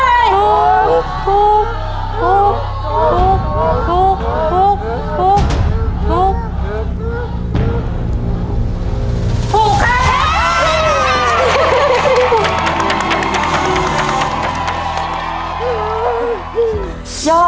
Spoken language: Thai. ถูกครับ